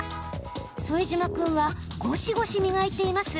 副島君はゴシゴシ磨いています。